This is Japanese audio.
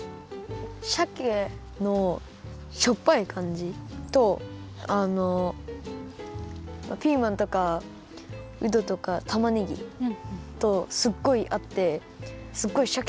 しゃけのしょっぱいかんじとあのピーマンとかうどとかたまねぎとすっごいあってすっごいシャキシャキしてておいしい。